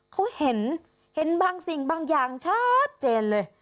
เขาเห็นเห็นบางสิ่งบางอย่างชัดเจนเลย